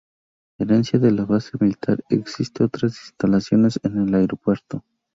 Herencia de la base militar, existen otras instalaciones en el aeropuerto.